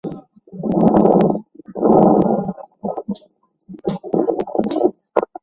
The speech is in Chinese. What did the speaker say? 伊比科阿拉是巴西巴伊亚州的一个市镇。